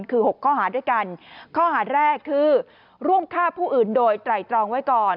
คือ๖ข้อหาด้วยกันข้อหาแรกคือร่วมฆ่าผู้อื่นโดยไตรตรองไว้ก่อน